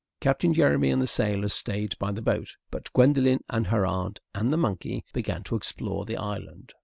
Captain Jeremy and the sailors stayed by the boat, but Gwendolen and her aunt and the monkey began to explore the island.